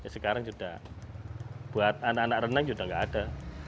sekarang sudah buat anak anak renang sudah tidak ada